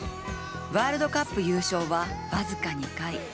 ワールドカップ優勝はわずか２回。